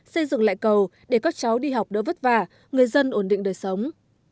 xây dựng lại cầu để các cháu đi học đỡ vất vả người dân ổn định đời sống